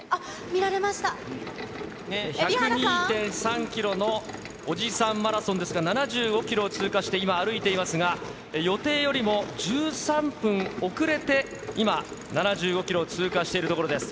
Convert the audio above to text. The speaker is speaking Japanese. １０２．３キロのおじさんマラソンですが、７５キロを通過して歩いていますが、予定よりも１３分遅れて今、７５キロを通過しているところです。